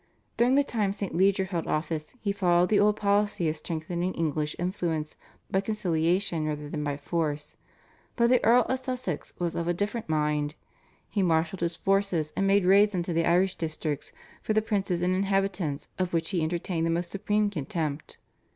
During the time St. Leger held office he followed the old policy of strengthening English influence by conciliation rather than by force. But the Earl of Sussex was of a different mind. He marshalled his forces and made raids into the Irish districts, for the princes and inhabitants of which he entertained the most supreme contempt.